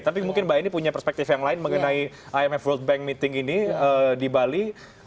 tapi mungkin mbak eni punya perspektif yang lain mengenai imf world bank meeting ini di bali